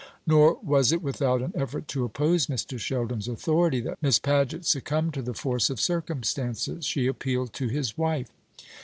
Nor was it without an effort to oppose Mr. Sheldon's authority that Miss Paget succumbed to the force of circumstances. She appealed to his wife.